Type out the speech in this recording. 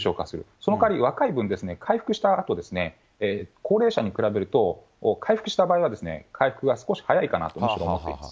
その代わり若い分、回復したあと、高齢者に比べると、回復したばかりは、回復が少し早いかなと、むしろ思っています。